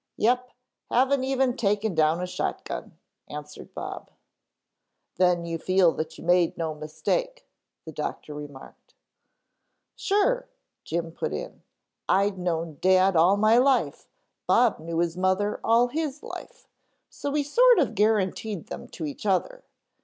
"Yep, haven't even taken down a shot gun," answered Bob. "Then you feel that you made no mistake," the doctor remarked. "Sure," Jim put in. "I'd known Dad all my life; Bob knew his mother all his life, so we sort of guaranteed them to each other.